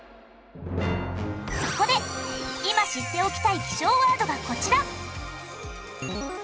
そこで今知っておきたい気象ワードがこちら。